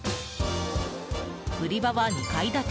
売り場は２階建て。